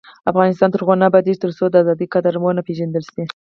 افغانستان تر هغو نه ابادیږي، ترڅو د ازادۍ قدر ونه پیژندل شي.